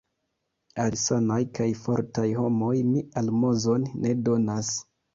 Al sanaj kaj fortaj homoj mi almozon ne donas.